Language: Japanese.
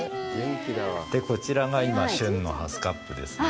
で、こちらが今、旬のハスカップですね。